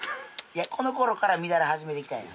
この頃から乱れ始めてきたんや。